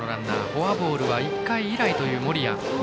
フォアボールは１回以来という森谷。